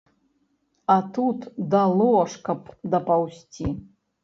А тут да ложка б дапаўзці.